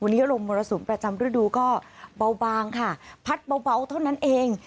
วันนี้ลมมรสุมประจำฤดูก็เบาบางค่ะพัดเบาเท่านั้นเอง